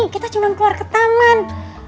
kita cuma keluar ke taman